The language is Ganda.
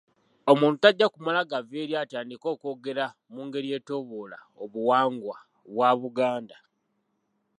Omuntu tajja kumala gava eri atandike okwogera mu ngeri etyoboola obuwangwa bwa Buganda.